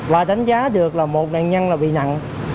và đánh giá được là một nạn nhân là bị nặng